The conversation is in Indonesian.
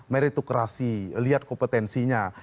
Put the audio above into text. meritokrasi lihat kompetensinya